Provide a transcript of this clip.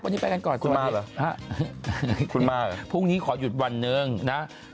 วันนี้ไปกันก่อนสวัสดีครับสวัสดีครับพรุ่งนี้ขอหยุดวันหนึ่งนะคุณมาหรอคุณมาหรอ